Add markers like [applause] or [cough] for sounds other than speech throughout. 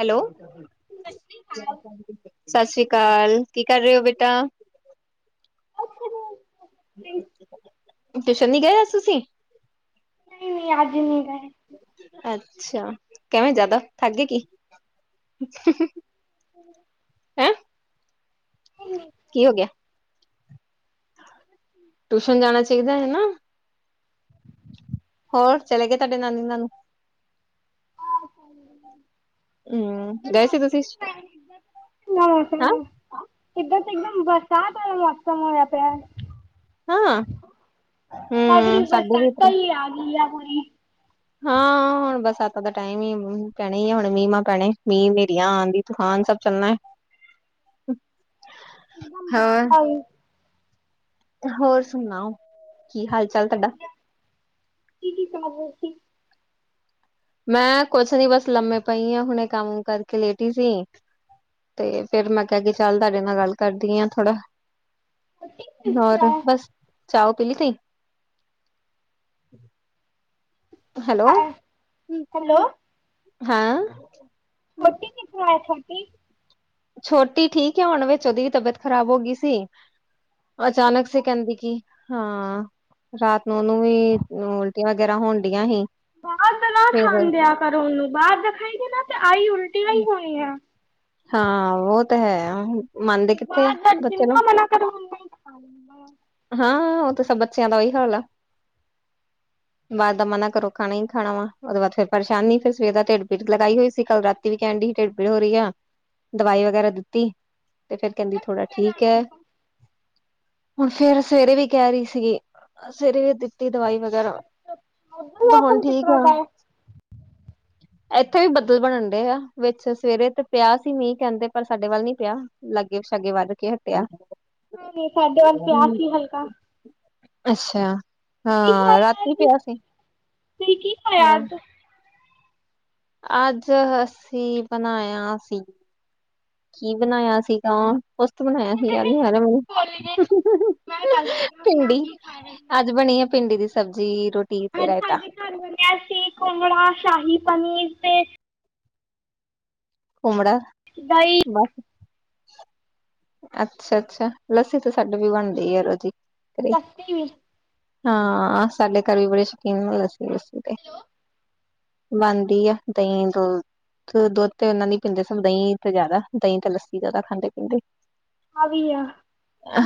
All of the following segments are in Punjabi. ਹੈਲੋ ਸਸ ਰੀ ਕਾਲ ਕੀ ਕਰ ਰਏਂ ਓਂ ਬੇਟਾ। ਅੱਛਾ- ਟੂਸ਼ਨ ਨੀ ਗਏ ਅੱਜ ਤੁਸੀਂ। ਨਹੀਂ ਨਹੀਂ ਅੱਜ ਨਹੀਂ- ਅੱਛਾ ਕਿਵੇਂ ਜ਼ਿਆਦਾ ਥਗੇ ਕਿ- [inaudible] ਕੀ ਹੋ ਗਿਆ- ਟਿਊਸ਼ਨ ਜਾਣਾ ਚਾਈਦਾ ਹੈ- ਹੋਰ ਚਲੇ ਗਏ ਤੁਹਾਡੇ ਨਾਨੀ ਨਾਨੂ- ਹਮ ਗਏ ਸੀ ਤੁਸੀਂ- ਨਾ ਹਾਂ, ਇੱਕਦਮ ਇੱਕਦਮ ਬਰਸਾਤ ਹੋਏ ਮੌਸਮ ਹੋਇਆ ਪਿਆ- ਹਾਂ, ਮਗਰੀ ਹੂੰ ਸਾਡੇ ਵੀ ਇਤਰ ਬਸਤਾਈ ਆਗਲੀ ਆ ਪੂਰੀ- ਹਾਂ। ਹੁਣ ਬਸ ਇਦ ਦਾ ਟਾਈਮ ਹੀ ਪੈਣਾ ਹੀਏ ਹੁਣ ਮੀਂ ਮਾਂ ਪੈਣੇ ਮੀਂਹ ਨੇਰੀਆਂ ਆਂਧੀ ਦੀ ਤੂਫਾਨ ਸਭ ਚੱਲਣਾ- ਇੱਕਦਮ ਹੋਰ, ਗਾਈ- ਹੋਰ ਸੁਣਾਓ ਕੀ ਹਾਲ ਚਾਲ ਤੁਹਾਡਾ- ਕੀ ਕੀ ਸਮ ਸੀ- ਮੈਂ ਕੁਛ ਨੀ ਬਸ ਲੰਮੇ ਪਈ ਆਂ ਹੁਨੇ ਕੰਮ ਕਰਕੇ ਲੇਟੀ ਸੀ। ਤੇ ਫੇਰ ਮੈਂ ਕਿਹਾ ਕੇ ਚੱਲ ਤੁਹਾਡੇ ਨਾਲ ਗੱਲ ਕਰਦੀ ਆ ਥੋੜਾ- ਹੋਰ ਬਸ ਚਾਓ ਪੀਲੀ ਤੀ- ਹੈਲੋ- ਹੈਲੋ ਹਾਂ। ਹੋਤੀ ਕਿਥਇ ਸਾ- ਛੋਟੀ ਠੀਕ ਹੈ ਹੁਣ ਵਿੱਚ ਉਹਦੀ ਵੀ ਤਬੀਅਤ ਖਰਾਬ ਹੋ ਗਈ ਸੀ- ਅਚਾਨਕ ਸੇ ਕੈਂਦੀ ਕੀ ਹਾਂ ਰਾਤ ਨੂੰ ਓਨੂੰ ਵੀ ਉਲਟੀਆਂ ਵਗੈਰਾ ਹੋਨ ਡਿਆਂ ਸੀ। ਬਾਹਰ ਤਾਂ ਨਾ ਫਿਰ ਖਣ ਦ ਆ ਕਰੋ ਉਹਨੂੰ ਬਾਹਰ ਦਾਖਾਈਦੇ ਨਾ ਤੇ ਆਈ ਉਲਟੀ- ਹੀ ਹੋਣੀ ਆ। ਹਾਂ ਓ ਤਾਂ ਹੈ ਆਂਹੂੰ। ਬਾਰ ਦਾ ਜਿੰਨਾ ਮਨਾ ਕਰੋ ਉਨਾ ਹੀਂ ਖਾ ਦਿੰਦਾ- ਹਾਂ ਓ ਤੇ ਸਬ ਬੱਚੇਆਂ ਦਾ ਓਈ ਹਾਲ ਐ। ਬਾਦ ਦਾ ਮ ਨਾ ਕਰੋ ਖਾਣਾ ਹੀ ਖਾਣਾ ਵਾ ਉਹਦੇ ਬਾਅਦ ਫੇਰ ਪਰੇਸ਼ਾਨੀ ਫੇਿਰ ਸਵੇਰ ਦਾ ਢਿਡ- ਫਿਟਕ ਲਗਾਈ ਹੋਈ ਸੀ, ਕੱਲ ਰਾਤੀ ਵੀ ਕਹਿਣ ਡਈ ਸੀ ਢਿੱਡ ਪੀੜ ਹੋ ਰਹੀ ਆ, ਦਵਾਈ ਵਗੈਰਾ ਦਿੱਤੀ। ਤੇ ਫਿਰ ਕਹਿੰਦੀ ਥੋੜਾ ਠੀਕ ਏ। ਫੇਰ ਸਵੇਰੇ ਵੀ ਕਹ ਰੀ ਸੀਗੀ, ਸਵੇਰੇ ਵੀ ਦਿੱਤੀ ਦਵਾਈ ਵ ਗੈਰਾ ਉਧਰ ਤੇ ਹੁਣ ਮੌਸਮ ਕਿਸ ਠੀਕ ਤਰ੍ਹਾਂ ਆ। ਦਾ ਹੈ? ਏਥੇ ਵੀ ਬੱਦਲ ਬਣਨ ਡੇ ਆ, ਵਿੱਚ ਸਵੇਰੇ ਤੇ ਪਿਆ ਸੀ ਮੀਂਹ ਕੈਂਹਦੇ, ਪਰ ਸਾਡੇ ਵੱਲ ਨੀ ਪਯਾ। ਲੱਗੇ ਸਾਗੇ ਵੱਧ ਕੇ ਹਟਿਆ। ਨਈ-ਨਈ ਸਾਡੇ ਵੱਲ ਪਯਾ ਸੀ ਹਲਕਾ। ਅੱਛਾ, ਕੀ ਹਾਂ ਖਾਇਆ ਰਾਤੀ ਅੱਜ ਪਯਾ ਸੀ ਤੁਸੀਂ ਕੀ ਖਾਇਆ ਹਾਂ। ਅੱਜ? ਅੱਜ ਅਸੀਂ ਬਣਾਇਆ ਸੀ, ਕੀ ਬਣਾਇਆ ਸੀਗਾ। ਕੁੱਛ ਤੇ ਬਣਾਇਆ ਸੀ ਯਾਦ ਨੀ ਆ ਰੇਯਾ ਮੈਨੂੰ ਭਿੰਡੀ। ਅੱਜ ਬਣੀ ਆ ਭਿੰਡੀ ਦੀ ਸਬਜ਼ੀ, ਰੋਟੀ ਤੇ ਅੱਜ ਰਾਇਤਾ। ਸਾਡੇ ਘਰ ਬਣਿਆ ਸੀ ਘੁੰਮਲਾ ਸ਼ਾਹੀ ਪਨੀਰ ਤੇ ਘੁੰਮੜਾ ਦਹੀ ਬਸ ਅੱਛਾ-ਅੱਛਾ ਲੱਸੀ ਤਾਂ ਸਾਡੇ ਵੀ ਬਣਦੀ ਆ ਰੋਜ਼ੀ। ਲੱਸੀ ਵੀ ਹਾਂ ਸਾਡੇ ਘਰ ਵੀ ਬੜੇ ਸ਼ੌਕੀਨ ਨਾਲ ਲੱਸੀ [unintelligible] ਬਣਦੀ ਆ ਦਈ ਦੋ ਦੁੱਧ ਤੇ ਓਨਾਂ ਦੀ ਪੀਂਦੇ ਸਨ ਦਈ ਤੇ ਜਾਦਾ ਦਈ ਤੇ ਲੱਸੀ ਜਾਦਾ ਖਾਂਦੇ ਪੀਂਦੇ। ਆ ਵੀ ਆ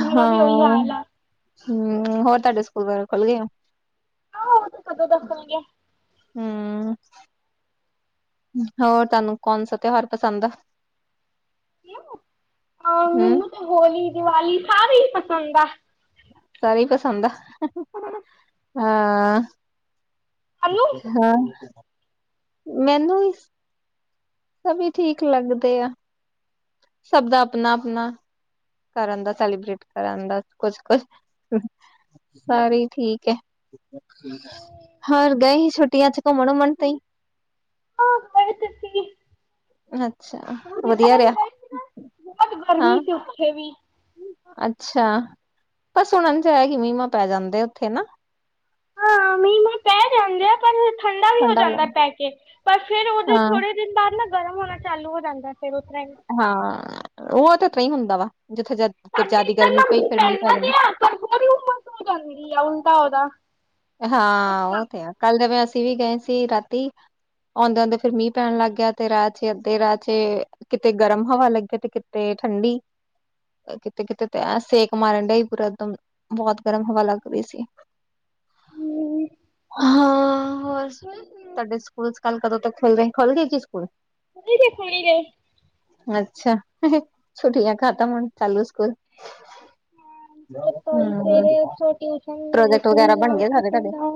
ਮੇਰਾ ਵੀ ਉਹੀ ਹਾਲ ਆ। ਹੂੰ ਹੋਰ ਤੁਹਾਡੇ ਸਕੂਲ ਵਗੈਰਾ ਖੁੱਲ ਗਏ ਆ। ਓ ਤਾਂ ਕਦੋਂ ਦਾ ਖੁਲ ਗਿਆ। ਹੂੰ। ਹੋਰ ਤੁਹਾਨੂੰ ਕੌਣ ਸਾ ਤਿਉਹਾਰ ਪਸੰਦ ਆ? ਅ ਹਮ ਮੈਨੂੰ ਤੇ ਹੋਲੀ, ਦੀਵਾਲੀ ਸਾਰੇ ਈ ਪਸੰਦ ਆ। ਸਾਰੇ ਈ ਪਸੰਦ ਆ ਹਾਂ। ਸਾਨੂੰ ਹਾਂ ਮੈਨੂੰ ਇ ਸਭੀ ਠੀਕ ਲੱਗਦੇ ਆ। ਸਭ ਦਾ ਆਪਣਾ-ਆਪਣਾ ਕਰਨ ਦਾ ਸੈਲੀਬ੍ਰੇਟ ਕਰਨ ਦਾ ਕੁੱਛ-ਕੁੱਛ ਸਾਰੇ ਈ ਠੀਕ ਐ, ਹੋਰ ਗਏ ਸੀ ਛੁੱਟੀਆਂ ਚ ਘੁੰਮਣ-ਉਮਣ ਤੂੰਈ। ਹਾਂ ਬੜੇ [unintelligible] ਅੱਛਾ। ਜਿੱਦਰ ਵਧੀਆ ਅਸੀ ਰਿਹਾ ਗਏ ਸੀ ਨਾ ਬੋਹਤ ਹਾਂ ਗਰਮੀ ਸੀ ਉੱਥੇ ਵੀ। ਅੱਛਾ ਪਰ ਸੁਣਨ ਚ ਆਇਆ ਕੀ ਮੀ-ਮਾ ਪੈ ਜਾਂਦੇ ਉੱਥੇ ਨਾ। ਮੀ-ਮਾਂ ਪੈ ਜਾਂਦੇ ਆ ਪਰ ਠੰਡਾ ਵੀ ਹੋ ਜਾਂਦਾ ਪੈ ਕੇ ਪਰ ਫੇਰ ਓਦੇ ਹਾਂ ਥੋੜੇ ਦਿਨ ਬਾਦ ਨਾ ਗਰਮ ਹੋਣਾ ਚਾਲੂ ਹੋ ਜਾਂਦਾ ਫੇਰ ਉਸਰ੍ਹਾਂ ਈ। ਹਾਂ ਓ ਤਾਂ ਤ ਹੀ ਹੁੰਦਾ ਵਾ ਜਿੱਥੇ ਜ ਸਾਡੇ ਜਾਦੀ ਇੱਧਰ ਨਾ ਗਰਮੀ ਪਈ ਫਿਰ ਮੀਂਹ ਪੈ ਪੈਂਦਾ ਤੇ ਜਾਂਦਾ। ਆ ਪਰ ਬਹੁਤ ਉਮਸ ਹੋ ਜਾਂਦੀ ਹੂੰ ਤੋ ਓਦਾ। ਹਾਂ ਓ ਤੇ ਆ ਕੱਲ ਜਵੇਂ ਅਸੀਂ ਵੀ ਗਏ ਸੀ ਰਾਤੀ ਔਂਦੇ-ਔਂਦੇ ਫਿਰ ਮੀਹ ਪੈਣ ਲਗ ਗਿਆ ਤੇ ਰਾਹ ਚ ਅੱਧੇ ਰਾਹ ਚ ਏ ਕਿਤੇ ਗਰਮ ਹਵਾ ਲੱਗੇ ਤੇ ਕਿਤੇ ਠੰਡੀ। ਕਿਤੇ-ਕਿਤੇ ਤੇ ਐ ਸੇਕ ਮਾਰਨ ਡਿਆ ਈ ਪੂਰਾ ਇੱਕਦਮ ਬੋਤ ਗਰਮ ਹਵਾ ਲੱਗ ਰੀ ਸੀ। ਹੂੰ ਹਾਂ ਹੋਰ ਤੁਹਾਡੇ ਸਕੂਲ-ਸਕਾਲ ਕਦੋਂ ਤੋਂ ਖੁਲ ਰਏ ਖੁਲ ਗਏ ਕੀ ਸਕੂਲ। [inaudible] ਅੱਛਾ ਛੁੱਟੀਆਂ ਖਤਮ ਹੁਣ ਚਾਲੂ ਸਕੂਲ। ਸਵੇਰੇ ਹੂੰ ਉੱਠੋ ਟਿਊਸ਼ਨ ਗਏ ਪ੍ਰੋਜੈਕਟ ਸਕੂਲ ਵਗੈਰਾ ਬਣ ਜਾਓ ਗਏ ਸਾਡੇ ਟਿਊਸ਼ਨ ਤੁਹਾਡੇ, ਜਾਓ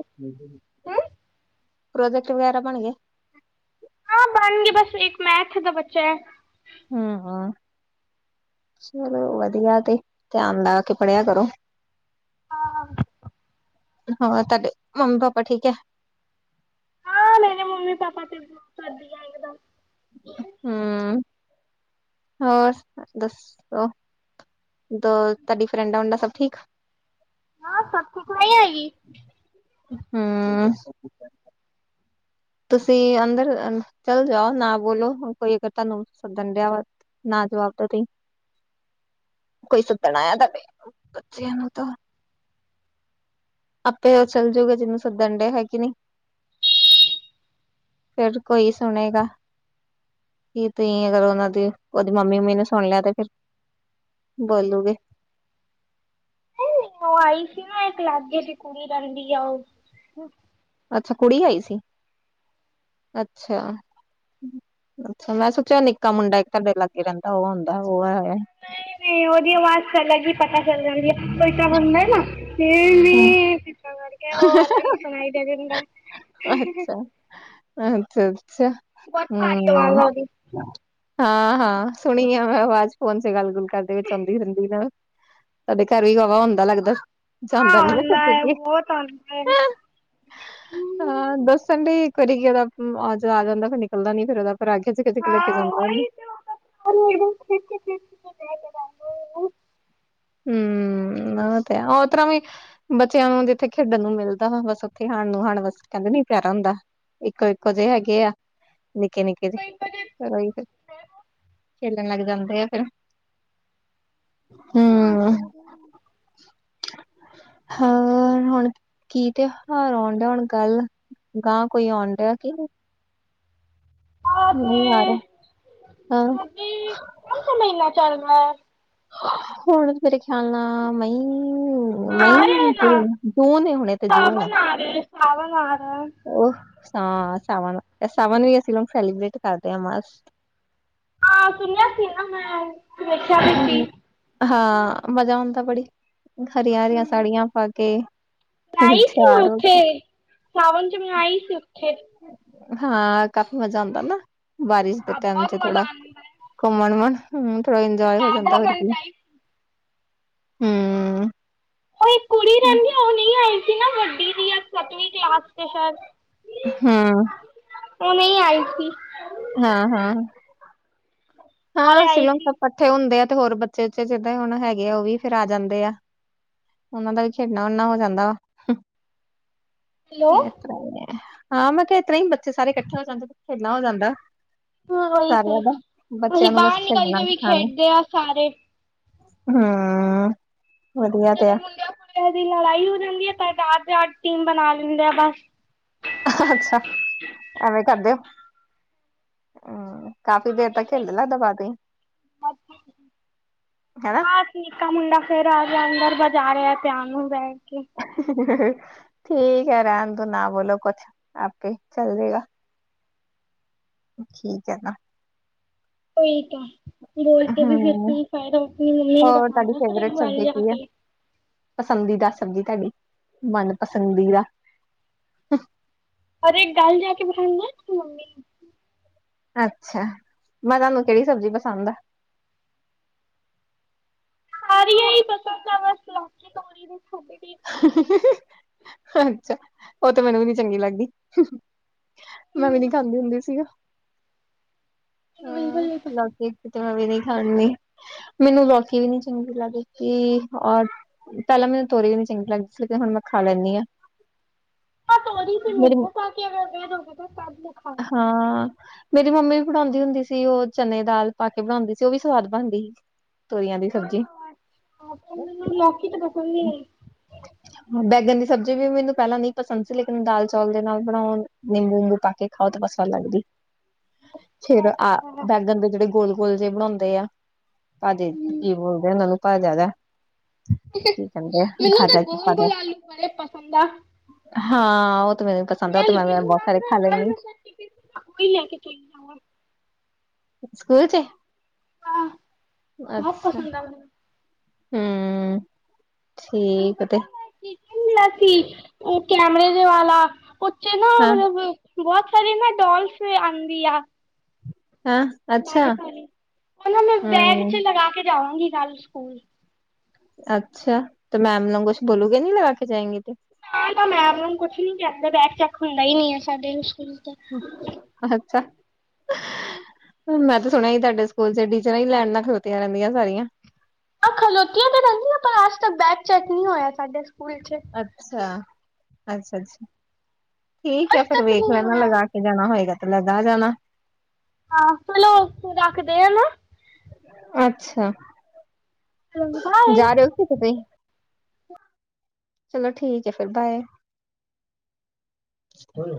ਹਾਂ ਪ੍ਰੋਜੈਕਟ ਵਗੈਰਾ ਬਣ ਗਏ? ਹਾਂ ਬਣ ਗੇ ਬਸ ਇੱਕ ਮੈਥ ਦਾ ਬਚਿਆ। ਹੂੰ ਹਾਂ। ਚਲੋ ਵਧੀਆ ਤੇ ਧਿਆਨ ਲਾ ਕੇ ਪੜ੍ਹਿਆ ਕਰੋ। ਹਾਂ। ਹਾਂ ਤੁਹਾਡੇ ਮੰਮੀ ਪਾਪਾ ਠੀਕ ਐ? ਹਾਂ ਮੇਰੇ ਮੰਮੀ ਪਾਪਾ ਤੇ ਵਧੀਆ ਇੱਕਦਮ। ਹੂੰ ਹੋਰ ਦੱਸ ਓ ਉਦਰ ਤਾਡੀ ਫਰੈਂਡਾਂ -ਫੁੰਡਾ ਸਭ ਠੀਕ ਹਾਂ ਸਭ ਠੀਕ ਨਹੀਂ ਆਏਗੀ ਹਾ ਤੁਸੀਂ ਅੰਦਰ ਚੱਲ ਜਾਓ ਨਾ ਬੋਲੋ ਕੋਈ ਪਤਾ ਨੀ ਬੰਦਿਆਂ ਦਾ। ਨਾ ਜਵਾਬ ਤਾਂ ਦੋ। ਕੋਈ ਸੁਪਣਾਏ ਜਾ ਕੋਈ ਕੱਚੀ ਨੀਂਦ ਤਾਂ ਆਪੇ ਉਹ ਚੱਲਜੂਗਾ ਜਿਹਨੂੰ ਸਦਬੰਦ ਹੈ ਕਿਨੀ। ਹੋਰ ਕੋਈ ਸੁਣੇਗਾ। ਯਕੀਨ ਕਰੋ ਉਹਨਾਂ ਦੀ, ਉਹਦੀ ਮੰਮੀ ਮੈਨੂੰ ਸੁਣ ਲਿਆ ਤੇ ਫਿਰ, ਬੋਲੂਗੀ ਉਹ ਆਈ ਸੀ ਨਾ ਇੱਕ ਲਾਗੇ ਦੀ ਕੁੜੀ ਰਹਿੰਦੀ ਆ ਉਹ ਅੱਛਾ ਕੁੜੀ ਆਈ ਸੀ, ਅੱਛਾ। ਅੱਛਾ ਮੈਂ ਸੋਚਿਆ ਨਿੱਕਾ ਮੁੰਡਾ ਇੱਕ ਤਾਡੇ ਲਾਗੇ ਰਹਿੰਦਾ ਉਹ ਹੁੰਦਾ ਉਹ ਹਾ। ਨਹੀਂ ਉਹਦੀ ਵਧੀਆ ਆਵਾਜ਼ ਚਲੱਗੀ ਪਤਾ ਚੱਲ ਜਾਂ ਪੈਸਾ ਬਣਦਾ ਫੇਰ, ਹੂੰ, ਹੂੰ ਕਿ ਉਹ ਅੱਲਗ ਈ ਸੁਣਾਈ ਦੇ ਦਿੰਦਾ। ਹੈ ਅੱਛਾ ਅੱਛਾ ਅੱਛਾ। ਬਹੁਤ ਭਾਰੀ ਆਵਾਜ਼ ਹੂੰ ਆ ਹਾਂ ਹਾਂ ਸੁਣੀ ਵੀ ਮੈਂ ਉਹਦੀ ਆਵਾਜ਼ ਫੋਨ ਚ ਗੱਲ -ਗੁੱਲ ਕਰਦੇ ਵਿੱਚ ਚੱਲਦੀ ਹੁੰਦੀ ਜੇ। ਤਾਡੇ ਘਰ ਹੀ ਹੈਗ ਹੁੰਦਾ ਲੱਗਦਾ, ਜਾਂਦਾ ਨੀ ਨਾ ਕਿੱਥੇ ਵੀ। ਹਾਂਜੀ ਹਾਂ ਦੱਸਣ ਡੀ ਕਰੀ ਕੀ ਇਦਾ ਆ ਜਾਂਦਾ ਫੇਰ ਨਿਕਲਦਾ ਨੀ ਫੇਰ ਏਤਾ। ਰਾਤ ਕਿਸੇ ਕੋਲ ਕਦੇ ਕਿਸੇ ਕੋਲ। [inaudible] ਹੂੰ ਓ ਤਾ ਹੈ, ਉਹ ਤਰਾਂ ਵੀ ਬੱਚਿਆਂ ਨੂੰ ਜਿੱਥੇ ਖੇਡਣ ਨੂੰ ਮਿਲਦਾ ਹੁਣ ਬਸ ਉੱਥੇ ਹਾਣ ਨੂੰ ਹਾਣ ਬਸ ਕਹਿੰਦੇ ਨੀ ਪਿਆਰਾ ਹੁੰਦਾ। ਇੱਕੋ ਇੱਕੋ ਜਿਹੇ ਹੈਗੇ ਐ। ਨਿੱਕੇ -ਨਿੱਕੇ ਜੇ, ਹੋਰ ਉਈ ਤੇ ਫਿਰ ਖੇਲਣ ਲੱਗ ਜਾਂਦੇ ਆ ਫਿਰ। ਬਸ ਕਰੋ। ਹਾਂ ਹੁਣ ਮੈ ਕੀ ਕਿਆ, ਹੁਣ ਆਉਂਡਾ ਨੀ ਘਰ ਅਗਾਹ ਕੋਈ ਆਉਂਡਾ ਕਿ ਨੀ। ਮੈਨੂੰ ਬੁਲਾ ਲਓ, ਹਾਂ। ਹੁਣ ਕੀ ਇਹ ਕਿਹੜਾ ਮਹੀਨਾ ਚਲਦਾ। ਹੁਣ ਮੇਰੇ ਖਿਆਲ ਨਾਲ ਮਈ- ਮਈ ਨੀ ਜੂਨ ਮਹੀਨਾਂ ਤੇ ਜਰੂਰ ਆ। ਆਜੋ ਆਣ ਤੇ ਉਹ ਸਾ-ਸਾਵਨ ਅਸੀਂ ਸਾਵਨ ਚ ਸੈਲੀਬ੍ਰੇਟ ਕਰਦੇ ਆ ਬਸ। ਆ ਸੁਣਿਆ ਕਿਦਾ ਮੈ। ਜਰੂਰ, ਹਾਂ ਮਜ਼ਾ ਆਉਂਦਾ ਬੜੀ ਹਰੀਆਂ -ਹਰੀਆਂ ਹਮ, ਸਾੜੀਆਂ ਪਾ ਕੇ, ਮੈਂ ਫੇਰ ਆਈ ਸੀ ਨਾ ਤਿਆਰ ਹੋ ਉੱਥੇ ਕੇ ਸਾਵਨ ਵਿੱਚ ਆਈ ਸੀ ਮੈਂ ਉੱਥੇ। ਹਾਂ ਕਾਫੀ ਮਜ਼ਾ ਆਉਂਦਾ ਨਾ, ਬਾਰਿਸ਼ ਦੇ ਟਾਈਮ ਚ ਥੋੜਾ। ਘੁੰਮਣਮਣ ਹੂੰ ਥੋੜਾ ਇੰਜੋਏ ਹੋ ਜਾਂਦਾ ਫਿਰ ਕੀ, ਹੂੰ ਉਹ ਇੱਕ ਕੁੜੀ ਹੂੰ ਰਹਿੰਦੀ ਹੁੰਦੀ ਐ ਨਾ ਉਹ ਨਹੀਂ ਆਈ ਸੀ ਨਾ ਵੱਡੀ ਦੀ ਐ ਪਤਨੀ? ਲਾਸਟ ਚ ਸ਼ਾਇਦ, ਹਾਂ-ਹਾਂ ਓ ਨੀ ਆਏ ਸੀ। ਹਾਂ ਹਾਂ ਸਾਰੇ ਹਾਂ ਆਏ ਸਿਲਮਪੁਰ ਸੀ ਇਕੱਠੇ ਹੁੰਦੇ ਆ ਤੇ ਹੋਰ ਬੱਚੇ ਉੱਚੇ ਜਿਦਾਂ ਹੁਣ ਹੈਗੇ ਆ ਉਹ ਵੀ ਫੇਰ ਆ ਜਾਂਦੇ ਆ। ਉਹਨਾਂ ਦਾ ਵੀ ਖੇਡਣਾ-ਖੁਡਣਾ ਹੋ ਜਾਂਦਾ ਵਾ। ਹੈਲੋ ਏਹ ਤਾ ਐ। ਹਾਂ ਮੈਂ ਕਿਹਾ, ਐ ਤਰ੍ਹਾਂ ਹੀ ਬੱਚੇ ਸਾਰੇ ਇਕੱਠੇ ਹੋ ਜਾਂਦੇ, ਖੇਲਣਾ ਹੋ ਜਾਂਦਾ ਹਮ ਉਹੀ ਤੇ, ਸਾਰਿਆਂ ਦਾ ਅਸੀਂ ਬੱਚਿਆਂ ਨੂੰ ਬਸ ਬਾਹਰ ਨਿਕਲ ਖੇਡਣਾ ਕੇ ਵੀ ਖੇਡਦੇ ਆ ਸਾਰੇ ਹਮ। ਜਦੋਂ ਮੁੰਡਿਆਂ ਕੁੜਿਆਂ ਦੀ ਲੜਾਈ ਹੋ ਜਾਂਦੀ ਹੈ। ਤਾਂ ਅਡ ਅਡ ਟੀਮ ਬਣਾ ਲੈਂਦੇ ਆ ਬਸ। ਅੱਛਾ। ਐਵੇਂ ਕਰਦੇ। ਹਮ ਕਾਫ਼ੀ ਦੇਰ ਤਕ ਹਿੱਲ ਲੈਂ ਦਬਾ ਦੀ। ਹੈਨਾ ਆਹ ਨਿੱਕਾ ਮੁੰਡਾ ਫਿਰ ਆ ਗਿਆ। ਅੰਦਰ ਬਜਾ ਰਿਹਾ ਪਿਆਨੋ ਬਹਿ ਕੇ। ਠੀਕ ਐ। ਰਹਿਣ ਦੋ, ਨਾ ਬੋਲੋ ਕੁਛ, ਆਪੇ ਚੱਲ ਜਏਗਾ। ਠੀਕ ਐ ਨਾ। ਉਈ ਤਾਂ, ਬੋਲ ਕੇ ਵੀ ਫਿਰ ਹੂੰ, ਕੀ ਫੈਦਾ, ਆਪਣੀ ਮੰਮੀ ਨੂੰ ਹੋਰ ਪਸੰਦ ਤੁਹਾਡੀ ਨੀ ਕਰੇਗੀ ਫੇਵਰੇਟ ਮੋਬਾਈਲ ਸਬਜ਼ੀ ਲਿਆ ਕੀ ਹੈ? ਕੇ ਪਸੰਦੀਦਾ ਸਬਜ਼ੀ ਤੁਹਾਡੀ। ਮਨ ਪਸੰਦੀ ਦਾ। ਔਰ ਇੱਕ ਗੱਲ ਜਾ ਕੇ ਬਠਾਉਂਦਾ ਮੰਮੀ। ਅੱਛਾ। ਮੈਂ ਕਿਆ, ਤੁਹਾਨੂੰ ਕਿਹੜੀ ਸਬਜ਼ੀ ਪਸੰਦ ਆ। ਹਰੀਆ ਹੀ ਪਸੰਦ ਆ, ਬਸ ਲੋਕੀ ਤੋੜਰੀ ਨੀ। ਅੱਛਾ। ਉਹ ਤੇ ਮੈਨੂੰ ਵੀ ਨੀ ਚੰਗੀ ਲੱਗਦੀ। ਮੈਂ ਵੀ ਨੀ ਖਾਂਦੀ ਮੈਨੂੰ ਹੁੰਦੀ ਸੀ ਆ। ਹਾਂ, ਬਿਲਕੁਲ ਨਹੀਂ ਪਸੰਦ ਲੋਕੀ ਕਿਤੇ ਮੈਂ ਵੀ ਨਹੀਂ ਖਾਣੀ। ਮੈਨੂੰ ਲੋਕੀ ਵੀ ਨੀ ਚੰਗੀ ਲੱਗਦੀ ਸੀ। ਔਰ ਪਹਿਲਾਂ ਮੈਨੂੰ ਤੋਰੀਆ ਵੀ ਚੰਗ ਲੱਗਦੀ ਸੀ। ਤੇ ਹੁਣ ਮੈਂ ਖਾ ਲੈਂਦੀ ਆਂ। ਆਹ ਤੋਰੀ ਤੇ ਨਿੰਬੂ ਪਾ ਕੇ ਅਗਰ ਦੇ ਦੋਗੇ ਤਬ ਮੈਂ ਖਾ ਹਾਂ ਮੇਰੀ ਮੰਮੀ ਵੀ ਬਣਾਉਂਦੀ ਹੁੰਦੀ ਸੀ। ਉਹ ਚਨੇ ਦੀ ਦਾਲ ਪਾ ਕੇ ਬਣਾਉਂਦੀ ਸੀ। ਉਹ ਵੀ ਸਵਾਦ ਬਣਦੀ ਸੀ। ਤੋਰੀਆਂ ਦੀ ਸਬਜ਼ੀ। ਅੱਛਾ ਅੱਜ- ਕੱਲ ਮੈਂਨੂੰ ਲੋਕੀ ਤਾਂ ਪਸੰਦ ਨੀ ਅੱਛਾ ਬੈਗਨ ਦੀ ਸਬਜ਼ੀ ਵੀ ਮੈਨੂੰ ਪਹਿਲਾਂ ਨਹੀਂ ਪਸੰਦ ਸੀ। ਲੇਕਿਨ ਦਾਲ ਚੌਲ ਦੇ ਨਾਲ ਬਣਾਉਣ, ਨਿੰਬੂ ਉੁਬੂ ਪਾ ਕੇ। ਖਾਓ ਤਾਂ ਪਸੰਦ ਲੱਗਦੀ। ਫਿਰ ਆ ਬੈਗਨ ਦੇ ਜਿਹੜੇ ਗੋਲ-ਗੋਲ ਜਿਹੇ ਬਣਾਉਂਦੇ ਆ। ਤੁਹਾਡੇ ਇਧਰ ਕੀ ਬੋਲਦੇ ਉਹਨਾਂ ਨੂੰ ਭਿਆਦਾ। ਕੀ ਕਹਿੰਦੇ ਆ ਮੈਨੂੰ ਤਾਂ ਫਾਦਾ ਗੋਲ ਫਾਦਾ, ਗੋਲ ਆਲੂ ਬੜੇ ਪਸੰਦ ਹਾਂ ਉਹ ਤੇ ਮੈਨੂੰ ਪਸੰਦ ਆ ਉਹ ਨੱਲ ਤੇ ਮੈਂ ਕੋ ਮੈਂ ਬਹੁਤ ਸਾਰੇ ਖਾ ਲੈਂਦੀ ਲੈ ਕੇ ਜਾ। [unintelligible] ਸਕੂਲ 'ਚ। ਹਾਂ ਬਹੁਤ ਪਸੰਦ ਆ ਮੈਂਨੂੰ ਹਮ। ਠੀਕ ਤੇ। ਠੀਕ ਹੀ ਮਿਲਿਆ ਸੀ। ਉਹ ਕੈਮਰੇ ਦੇ ਵਾਲਾ, ਉਥੇ ਨਾ ਹਾਂ। ਹਮ, ਬਹੁਤ ਸਾਰੀ ਨਾ ਡੋਲਸ ਵੀ ਆਂਦੀ ਆ। ਹਾਂ। ਅੱਛਾ ਡਾਲਿਸ ਵਾਲੀ, ਉਹਨੂੰ ਨਾ ਬੈਗ ਹੂੰ 'ਚ ਲਗਾ ਕੇ ਜਾਵਾਂਗੀ ਕੱਲ ਸਕੂਲ। ਅੱਛਾ। ਤਾਂ ਮੈਂਮ ਨੂੰ ਕੁਛ ਬੋਲੂਗੇ ਨਹੀਂ, ਲਗਾ ਕੇ ਜਾਂਗੇ ਤੇੇ। ਹਾਂ ਮੈਮ ਨੂੰ ਕੁਛ ਨੀ ਕਹਿੰਦੇ। ਬੈਗ ਚੈੱਕ ਹੁੰਦਾ ਹੀ ਨੀ ਆ ਸਾਡੇ ਸਕੂਲ ਤੇ। ਅੱਛਾ। ਮੈਂ ਤੇ ਸੁਣਿਆ ਹੀ ਤੁਹਾਡੇ ਸਕੂਲ 'ਚ ਟੀਚਰਾਂ ਹੀ ਲੈਣ ਨਾਲ ਖਲੋਤੀਆਂ ਰਹਿੰਦੀਆਂ ਸਾਰੀਆਂ। ਆਹ ਖਲੋਤੀਆਂ ਤੇ ਰਹਿੰਦੀਆਂ। ਪਰ ਅਜ ਤਕ ਬੈਗ ਚੈਕ ਨਹੀਂ ਹੋਇਆ ਸਾਡੇ ਸਕੂਲ 'ਚ। ਅੱਛਾ, ਅੱਛਾ- ਅੱਛਾ। ਠੀਕ ਐ। ਅੱਜ ਫਿਰ ਤੱਕ ਵੇਖ ਨਹੀਂ ਲੈਣਾ ਹੋਇਆ ਲਗਾ ਕੇ। ਜਾਣਾ ਹੋਏਗਾ ਤੇ ਲਗਾ ਜਾਣਾ। ਹਾਂ ਚਲੋ ਉਸ ਤੇ ਰੱਖਦੇ ਆ ਨਾ। ਅੱਛਾ, ਜਾ ਬਾਏ ਰੇ ਓਂ ਤੁਸੀਂ ਕਿਤੇ, ਚਲੋ ਠੀਕ ਐ ਫਿਰ ਬਾਏ। ਹੂੰ